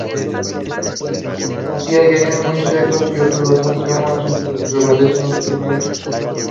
Así, hay años muy secos y otros bastante húmedos, en donde prevalecen los primeros.